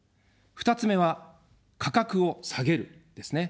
２つ目は、価格を下げる、ですね。